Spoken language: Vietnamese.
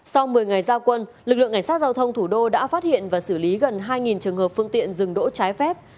sau một mươi ngày giao quân lực lượng cảnh sát giao thông thủ đô đã phát hiện và xử lý gần hai trường hợp phương tiện rừng đỗ trái phép